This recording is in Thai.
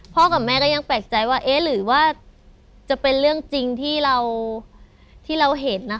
กับแม่ก็ยังแปลกใจว่าเอ๊ะหรือว่าจะเป็นเรื่องจริงที่เราเห็นนะคะ